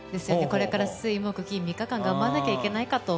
これから水、木、金、３日間頑張らなきゃいけないかと。